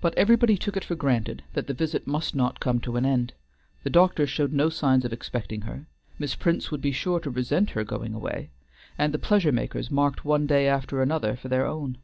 But everybody took it for granted that the visit must not come to an end. The doctor showed no sign of expecting her. Miss Prince would be sure to resent her going away, and the pleasure makers marked one day after another for their own.